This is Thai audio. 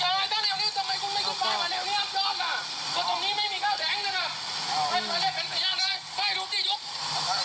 ให้พระเจ้าเป็นสยามนะ